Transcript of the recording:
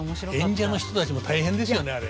演者の人たちも大変ですよねあれ。